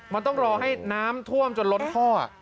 มันต้องรอให้น้ำท่วมจนล้นท่อ